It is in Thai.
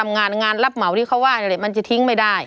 งานรับเหมาที่เขาว่ามันจะทิ้งไม่ได้